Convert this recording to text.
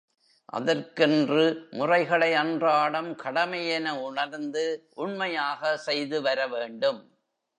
அதற்கென்று முறைகளை அன்றாடம் கடமையென உணர்ந்து, உண்மையாக செய்து வரவேண்டும்.